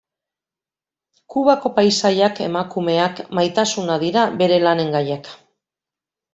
Kubako paisaiak, emakumeak, maitasuna dira bere lanen gaiak.